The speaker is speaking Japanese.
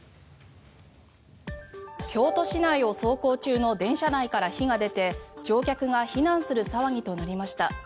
京都市内を走行中の電車内から火が出て乗客が避難する騒ぎとなりました。